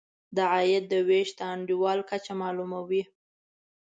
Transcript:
د عاید د وېش د انډول کچه معلوموي.